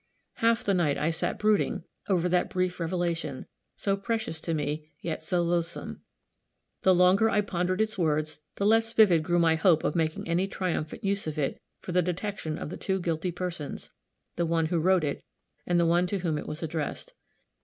Half the night I sat brooding over that brief revelation, so precious to me, yet so loathsome. The longer I pondered its words the less vivid grew my hope of making any triumphant use of it for the detection of the two guilty persons the one who wrote it, and the one to whom it was addressed.